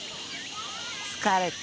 疲れた。